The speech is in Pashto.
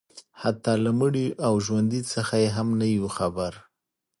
حتی له مړي او ژوندي څخه یې هم نه یو خبر